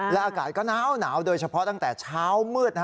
และอากาศก็หนาวโดยเฉพาะตั้งแต่เช้ามืด